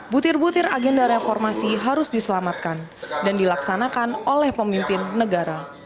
butir butir agenda reformasi harus diselamatkan dan dilaksanakan oleh pemimpin negara